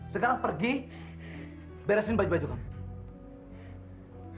sekarang pergi beresin baju baju kamu